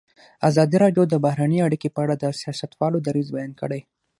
ازادي راډیو د بهرنۍ اړیکې په اړه د سیاستوالو دریځ بیان کړی.